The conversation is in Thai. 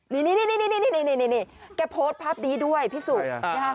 นี่แกโพสต์ภาพดีด้วยพี่ซูม